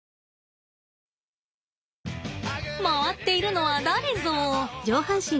回っているのは誰ぞ？